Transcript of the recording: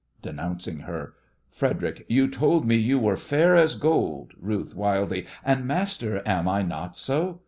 (Denouncing her.) FREDERIC: You told me you were fair as gold! RUTH: (wildly) And, master, am I not so?